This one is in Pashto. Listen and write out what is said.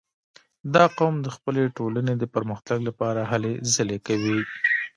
• دا قوم د خپلې ټولنې د پرمختګ لپاره هلې ځلې کوي.